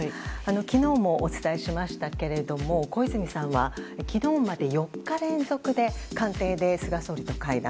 きのうもお伝えしましたけれども、小泉さんはきのうまで４日連続で官邸で菅総理と会談。